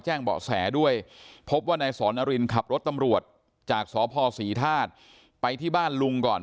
เบาะแสด้วยพบว่านายสอนรินขับรถตำรวจจากสพศรีธาตุไปที่บ้านลุงก่อน